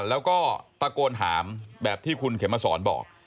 แล้วก็ตะโกนถามแบบที่คุณเข็มมาสอนบอก